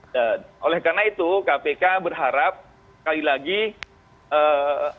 dan oleh karena itu kpk berharap sekali lagi ee